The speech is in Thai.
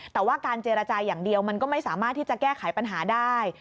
แต่ว่าการเจรจาอย่างเดียวมันก็ไม่สามารถที่จะแก้ไขปัญหาได้